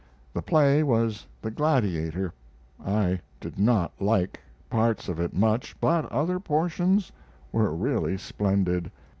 The play was the "Gladiator." I did not like parts of it much, but other portions were really splendid.